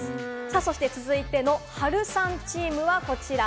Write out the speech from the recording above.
そして続いてのハルさんチームはこちら。